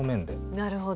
なるほど。